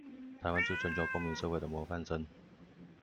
臺灣是全球公民社會的模範生